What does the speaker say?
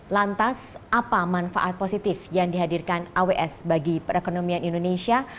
lantas apa manfaat positif yang dihadirkan aws bagi perekonomian indonesia